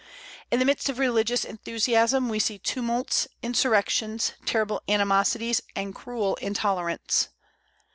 In the midst of religious enthusiasm we see tumults, insurrections, terrible animosities, and cruel intolerance.